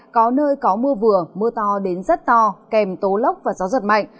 có nơi có mưa vừa mưa to đến rất to kèm tố lốc và gió giật mạnh